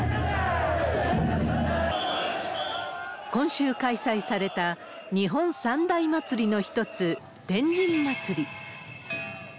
今週開催された日本三大祭りの一つ、天神祭。